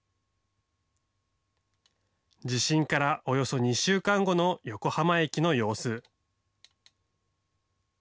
地震からおよそ２週間後の横浜駅の様子。